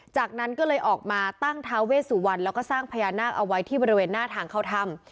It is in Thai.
จากนั้นก็เลยออกมาตั้งท้าเวสุวรรณแล้วก็สร้างพญานาคเอาไว้ที่บริเวณหน้าทางเข้าถ้ำ